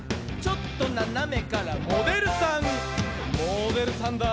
「ちょっとななめからモデルさん」